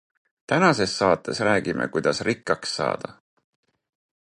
Tänases saates räägime kuidas rikkaks saada.